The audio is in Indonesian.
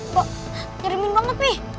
pak nyurimin banget mi